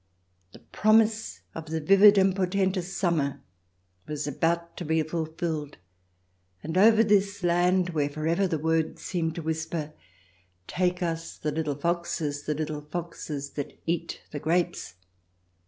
The promise of the vivid and portentous summer was about to be fulfilled, and over this land where for ever the words seem to whisper, " Take us the little foxes, the little foxes that eat the grapes